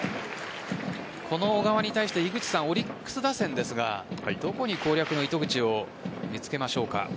この小川に対してオリックス打線ですがどこに攻略の糸口を見つけましょうか？